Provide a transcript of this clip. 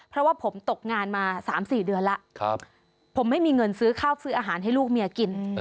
เพราะว่าผมตกงานมา๓๔เดือนแล้วผมไม่มีเงินซื้อข้าวซื้ออาหารให้ลูกเมียกิน